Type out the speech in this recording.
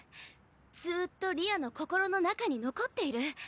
ずと理亞の心の中に残っている。